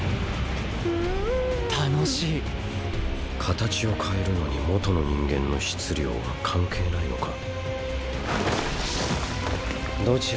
形を変えるのに元の人間の質量は関係ないのか？